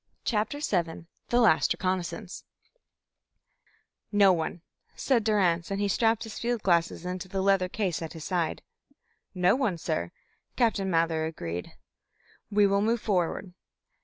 CHAPTER VII THE LAST RECONNAISSANCE "No one," said Durrance, and he strapped his field glasses into the leather case at his side. "No one, sir," Captain Mather agreed. "We will move forward."